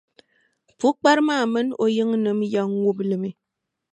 Pukpara maa mini o yiŋnima yɛn ŋubi li mi.